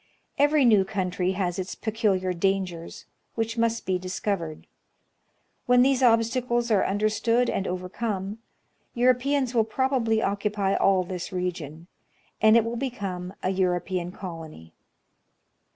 Every new country has its peculiar dangers, which must be discovered. When these obsta cles are understood and overcome, Europeans will probably occupy all this region, and it will become a European colony.